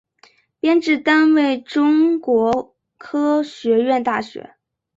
编制单位中国科学院大学